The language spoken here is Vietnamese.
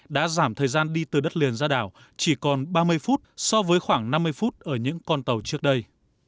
đã giảm thời gian đi từ đất liền ra đảo chỉ còn ba mươi phút so với khoảng năm mươi phút ở những con tàu trước đây